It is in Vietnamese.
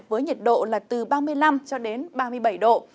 với nhiệt độ là từ ba mươi năm cho đến ba mươi bảy độ